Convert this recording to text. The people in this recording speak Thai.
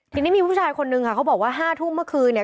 ทีนี้มีผู้ชายคนนึงค่ะเขาบอกว่า๕ทุ่มเมื่อคืนเนี่ย